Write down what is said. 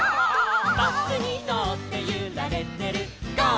「バスにのってゆられてるゴー！